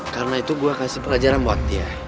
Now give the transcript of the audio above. karena itu gua kasih pelajaran buat dia